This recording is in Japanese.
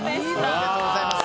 おめでとうございます。